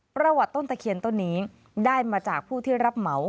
ประวัติต้นตะเคียนต้นนี้ได้มาจากผู้ที่รับเหมา